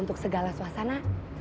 untuk segala suasana